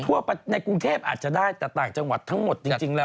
ในกรุงเทพอาจจะได้แต่ต่างจังหวัดทั้งหมดจริงแล้ว